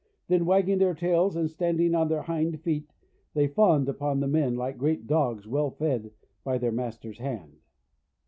Then wagging their tails, and standing on then* hind feet, they fawned upon the men like great Dogs well fed by their master's hand.